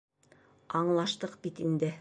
Аңлаштыҡ бит инде.